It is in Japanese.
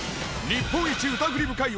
日本一疑り深い